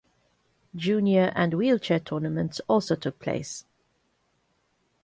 Junior and wheelchair tournaments also took place.